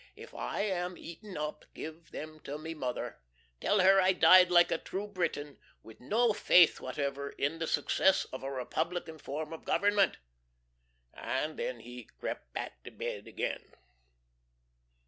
"If I am eaten up, give them to Me mother tell her I died like a true Briton, with no faith whatever in the success of a republican form of government!" And then he crept back to bed again.